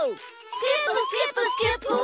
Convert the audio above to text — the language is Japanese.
スキップスキップスキップゥ！